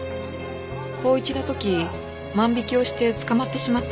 高１の時万引きをして捕まってしまったんです。